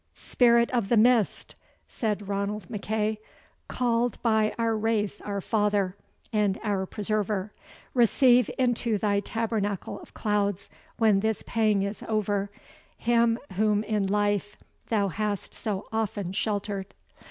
"Spirit of the Mist!" said Ranald MacEagh, "called by our race our father, and our preserver receive into thy tabernacle of clouds, when this pang is over, him whom in life thou hast so often sheltered."